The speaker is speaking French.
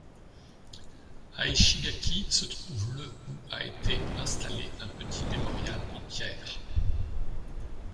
À Ishigaki se trouve le où a été installé un petit mémorial en pierre.